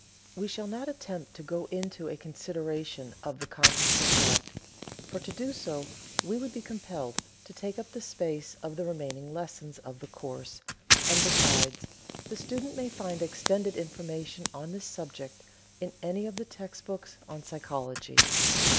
We shall not attempt to go into a consideration of the conscious Intellect, for to do so we would be compelled to take up the space of the remaining lessons of the course, and besides, the student may find extended information on this subject in any of the text books on psychology.